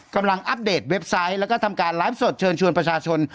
อัปเดตเว็บไซต์แล้วก็ทำการไลฟ์สดเชิญชวนประชาชน